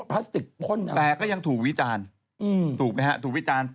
พลาสติกพ่นอะไรแต่ก็ยังถูกวิจารณ์ถูกไหมฮะถูกวิจารณ์